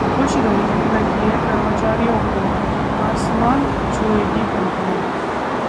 खुश रखिए कर्मचारियों को, आसमान छुएगी कंपनी